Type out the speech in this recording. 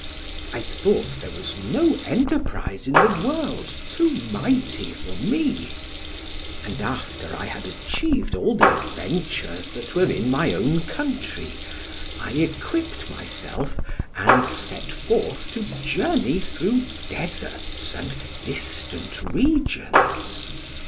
I thought there was no enterprise in the world too mighty for me, and after I had achieved all the adventures that were in my own country, {17a} I equipped myself, and set forth to journey through deserts, and distant regions.